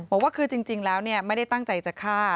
บอกว่าคือจริงแล้วไม่ได้ตั้งใจจะฆ่า